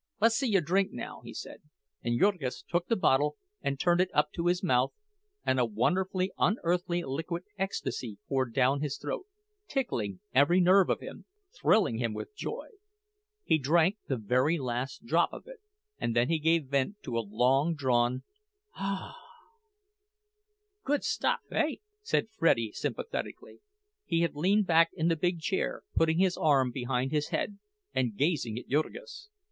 "Lessee you drink now," he said; and Jurgis took the bottle and turned it up to his mouth, and a wonderfully unearthly liquid ecstasy poured down his throat, tickling every nerve of him, thrilling him with joy. He drank the very last drop of it, and then he gave vent to a long drawn "Ah!" "Good stuff, hey?" said Freddie, sympathetically; he had leaned back in the big chair, putting his arm behind his head and gazing at Jurgis.